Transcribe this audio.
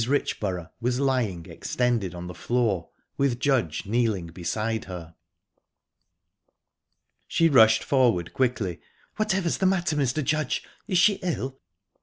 Richborough was lying extended on the floor, with Judge kneeling beside her! She rushed forward quickly. "Whatever's the matter, Mr. Judge? Is she ill?"